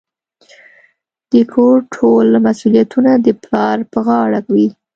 د کور ټول مسوليتونه د پلار په غاړه وي.